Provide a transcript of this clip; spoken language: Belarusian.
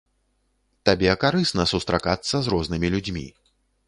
Табе карысна сустракацца з рознымі людзьмі.